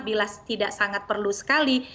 bila tidak sangat perlu sekali